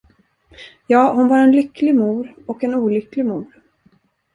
Ja, hon var en lycklig mor och en olycklig mor.